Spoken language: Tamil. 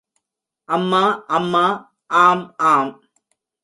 அம்மா... அம்மா...... ஆம், ஆம்!